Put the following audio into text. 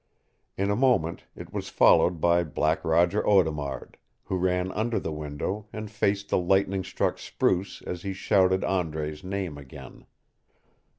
In a moment it was followed by Black Roger Audemard, who ran under the window and faced the lightning struck spruce as he shouted Andre's name again.